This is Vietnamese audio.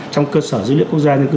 trong cơ sở dữ liệu quốc gia và dân cư